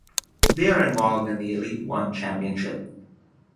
They are involved in the Elite One Championship.